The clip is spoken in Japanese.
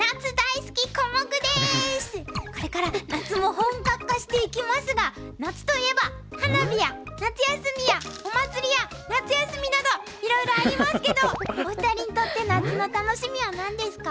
これから夏も本格化していきますが夏といえば花火や夏休みやお祭りや夏休みなどいろいろありますけどお二人にとって夏の楽しみは何ですか？